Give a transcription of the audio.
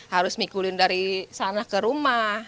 harus mikulin dari sana ke rumah